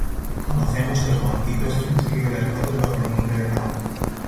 Conocemos que Juancito es quien escribe las notas bajo el nombre de Raúl.